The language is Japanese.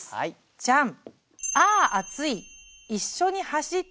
じゃん。